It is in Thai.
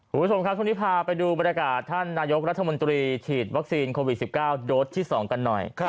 คุณผู้ชมครับช่วงนี้พาไปดูบรรยากาศท่านนายกรัฐมนตรีฉีดวัคซีนโควิด๑๙โดสที่๒กันหน่อย